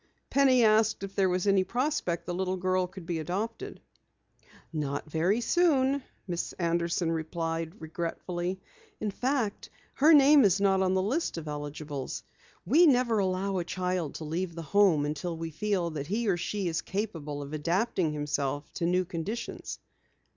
Penny asked if there was any prospect the little girl would be adopted. "Not very soon," Miss Anderson answered regretfully. "In fact, her name is not on the list of eligibles. We never allow a child to leave the Home until we feel that he or she is capable of adapting himself to new conditions."